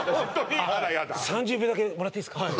あらやだ３０秒だけもらっていいですか